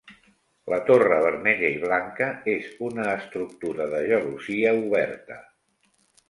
La torre vermella i blanca és una estructura de gelosia oberta.